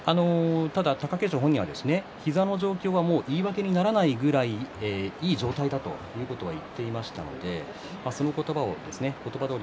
貴景勝本人は膝の状況は言い訳にならないぐらいいい状態だということを言っていました。